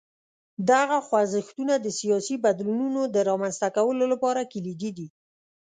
دغه خوځښتونه د سیاسي بدلونونو د رامنځته کولو لپاره کلیدي دي.